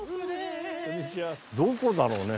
どこだろうね？